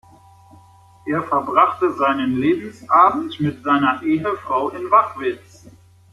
Er verbrachte seinen Lebensabend mit seiner Ehefrau in Wachwitz.